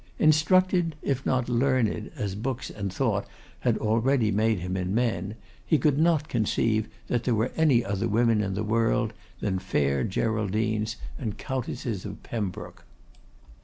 Instructed, if not learned, as books and thought had already made him in men, he could not conceive that there were any other women in the world than fair Geraldines and Countesses of Pembroke.